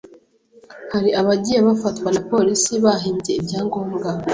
hari abagiye bafatwa na polisi bahimbye ibyangombwa